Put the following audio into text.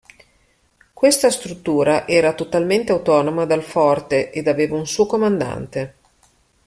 Questa struttura era totalmente autonoma dal forte ed aveva un suo comandante.